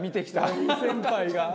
「大先輩が」